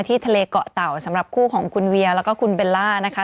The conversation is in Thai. ทะเลเกาะเต่าสำหรับคู่ของคุณเวียแล้วก็คุณเบลล่านะคะ